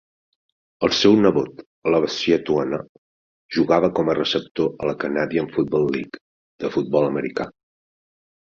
El seu nebot Lavasier Tuinei jugava com a receptor a la Canadian Football League, de futbol americà.